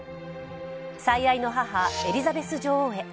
最愛の母、エリザベス女王へ。